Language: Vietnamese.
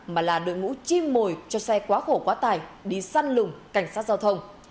mà là đội ngũ chim mồi cho xe quá khổ quá tải đi săn lùng cảnh sát giao thông